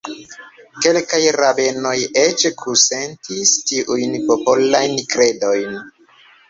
Kelkaj rabenoj eĉ kusentis tiujn popolajn kredojn.